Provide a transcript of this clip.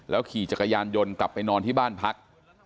ขี่จักรยานยนต์กลับไปนอนที่บ้านพัก